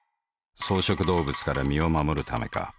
草食動物から身を護るためか。